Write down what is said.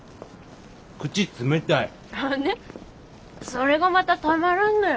それがまたたまらんのよ。